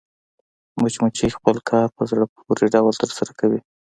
مچمچۍ خپل کار په زړه پورې ډول ترسره کوي